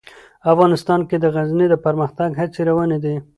افغانستان کې د غزني د پرمختګ هڅې روانې دي.